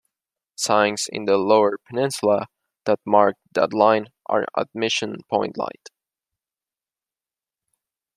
Signs in the Lower Peninsula that mark that line are at Mission Point Light.